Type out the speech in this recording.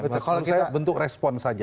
menurut saya bentuk respon saja